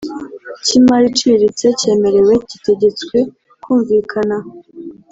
cy imari iciriritse cyemerewe gitegetswe kumvikana